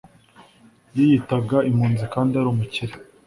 Yiyitaga impunzi kandi ari umukire